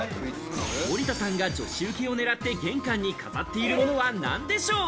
森田さんが女子ウケを狙って玄関に飾っているものは何でしょう？